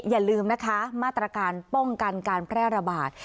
อย่าลืมนะคะมาตรการป้องกันการแพร่ระบาด